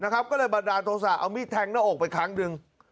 ก็เลยบรรดาโทษศาสตร์เอามิดแท็งต์ในอกไปครั้งหนึ่ง